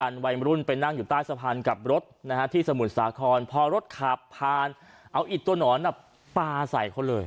วัยรุ่นไปนั่งอยู่ใต้สะพานกับรถนะฮะที่สมุทรสาครพอรถขับผ่านเอาอิดตัวหนอนปลาใส่เขาเลย